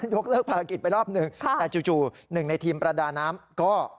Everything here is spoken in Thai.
ยกเลิกภารกิจไปรอบหนึ่งแต่จู่หนึ่งในทีมประดาน้ำก็